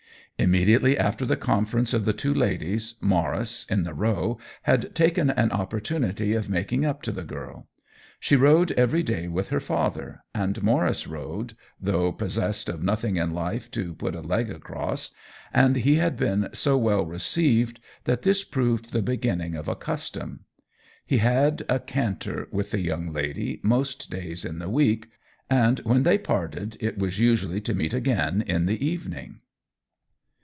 Immedi ately after the conference of the two ladies Maurice, in the Row, had taken an oppor tunity of making up to the girl. She rode every day with her father, and Maurice rode, though possessed of nothing in life to put a leg across ; and he had been so well re ceived that this proved the beginning of a custom. He had a canter with the young THE WHEEL OF TIME 33 lady most days in the week, and when they parted it was usually to meet again in the evening.